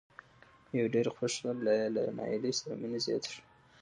نو ډېر یې خوښ شول لا یې له نایلې سره مینه زیاته شوه.